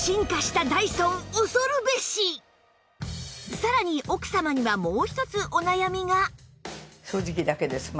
さらに奥様にはもう一つお悩みが